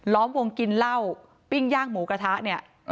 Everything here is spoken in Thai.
วงกินเหล้าปิ้งย่างหมูกระทะเนี่ย